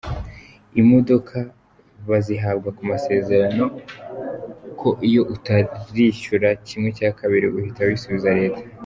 Imodoka bazihabwa kumasezerano ko iyo utarishyura kimwe cya kabili uhita uyisubiza Leta.